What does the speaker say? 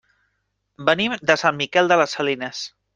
Venim de Sant Miquel de les Salines.